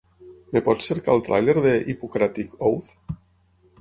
Em pots cercar el tràiler de Hippocratic Oath?